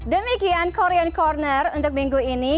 demikian korean corner untuk minggu ini